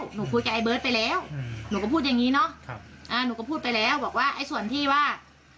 หนูคุยกับไอเบิร์ตไปแล้วหนูก็พูดอย่างงี้เนอะครับอ่าหนูก็พูดไปแล้วบอกว่าไอ้ส่วนที่ว่า